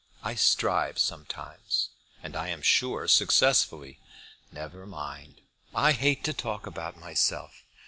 I strive sometimes." "And I am sure successfully." "Never mind. I hate to talk about myself.